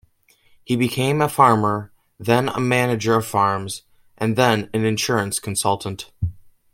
He became a farmer, then a manager of farms, and then an insurance consultant.